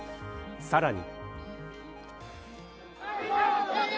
さらに。